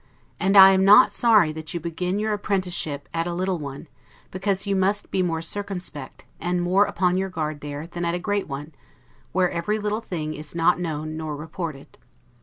And I am not sorry that you begin your apprenticeship at a little one; because you must be more circumspect, and more upon your guard there, than at a great one, where every little thing is not known nor reported.